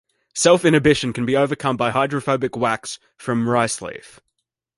Self inhibition can be overcome by hydrophobic wax from rice leaf.